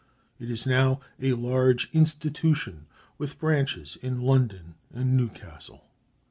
It is now a large institution with branches in London and Newcastle.